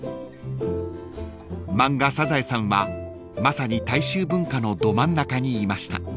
［漫画『サザエさん』はまさに大衆文化のど真ん中にいました］